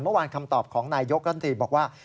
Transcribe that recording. เมื่อวานคำตอบของนายยกรัฐมนตรีบอกว่า